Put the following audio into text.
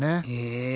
え